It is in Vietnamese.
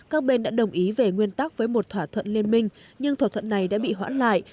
các bên đã đồng ý về nguyên tắc với một thỏa thuận liên minh nhưng thỏa thuận này đã bị hoãn lại